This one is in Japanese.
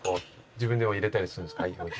自分でも入れたりするんですか？